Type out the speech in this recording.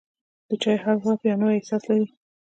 د چای هر غوړپ یو نوی احساس لري.